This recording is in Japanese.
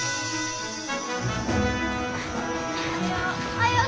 おはよう。